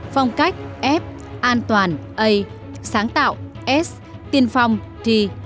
phong cách f an toàn a sáng tạo s tiên phong t